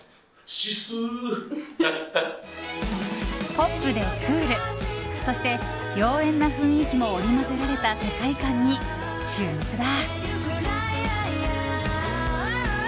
ポップでクールそして妖艶な雰囲気も織り交ぜられた世界観に注目だ。